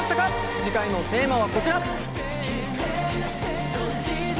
次回のテーマはこちら！